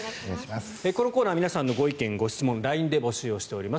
このコーナー皆さんのご意見・ご質問をＬＩＮＥで募集しております。